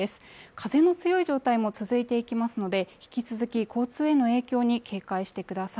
風の強い状態も続いていきますので引き続き交通への影響に警戒してください